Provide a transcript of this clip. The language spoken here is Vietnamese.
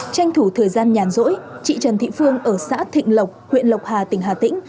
tranh thủ thời gian nhàn rỗi chị trần thị phương ở xã thịnh lộc huyện lộc hà tỉnh hà tĩnh